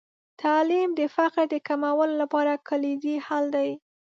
تعلیم د فقر د کمولو لپاره کلیدي حل دی.